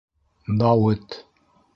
«Дауыт!»